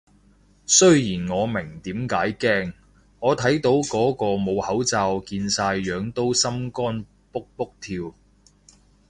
雖然我明點解驚，我睇到個個冇口罩見晒樣都心肝卜卜跳